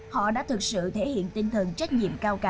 họ đã thực sự thể hiện tình hình